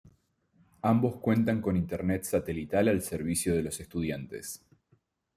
Ambos cuentan con Internet satelital al servicio de los estudiantes.